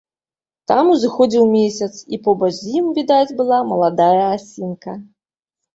Там узыходзіў месяц, і побач з ім відаць была маладая асінка.